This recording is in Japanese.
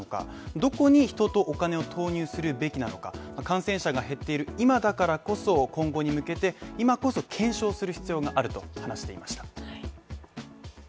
どこに人とお金を投入するべきなのか感染者が減っている今だからこそ今後に向けて、今こそ検証する必要があると話していました。